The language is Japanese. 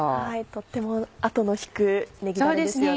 とても後の引くねぎダレですよね。